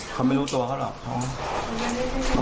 เขาไม่รู้ตัวเขาหรอก